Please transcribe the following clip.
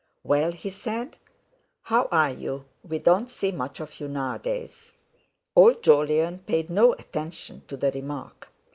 "Well," he said, "how are you? We don't see much of you nowadays!" Old Jolyon paid no attention to the remark.